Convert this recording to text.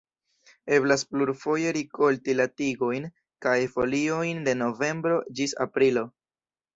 Eblas plurfoje rikolti la tigojn kaj foliojn de novembro ĝis aprilo.